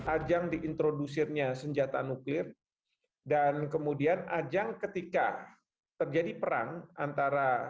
ajang diintrodusirnya senjata nuklir dan kemudian ajang ketika terjadi perang antara